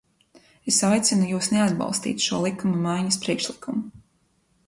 Es aicinu jūs neatbalstīt šo likuma maiņas priekšlikumu.